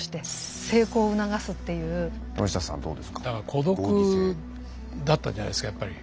孤独だったんじゃないですかやっぱり。